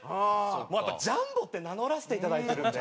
やっぱ「ジャンボ」って名乗らせていただいてるので。